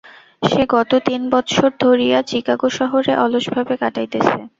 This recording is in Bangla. সে গত তিন বৎসর ধরিয়া চিকাগো শহরে অলসভাবে কাটাইতেছে।